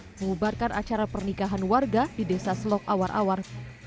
mengubarkan acara pernikahan warga di desa selok awar awar